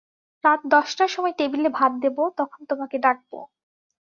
রাত দশটার সময় টেবিলে ভাত দেব, তখন তোমাকে ডাকব।